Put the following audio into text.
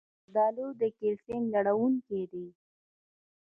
زردالو د کلسیم لرونکی ده.